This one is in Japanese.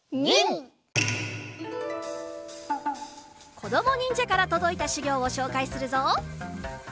こどもにんじゃからとどいたしゅぎょうをしょうかいするぞ！